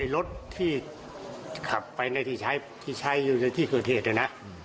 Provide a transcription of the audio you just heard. รถที่ขับไปในที่ใช้ที่ใช้อยู่ในที่เกอร์เทศน่ะ